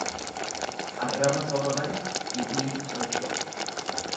Arraba soba bare hidhiitu socho'a.